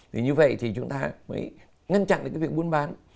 thì như vậy thì chúng ta mới ngăn chặn được cái việc buôn bán